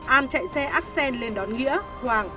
an chạy xe accent lên đón nghĩa hoàng